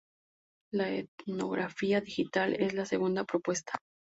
La etnografía digital es la segunda propuesta.